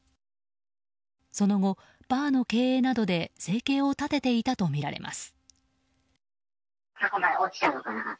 その後、バーの経営などで生計を立てていたとみられます。